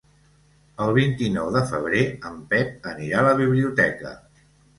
El vint-i-nou de febrer en Pep anirà a la biblioteca.